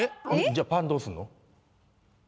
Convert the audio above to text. じゃあパンどうすんの？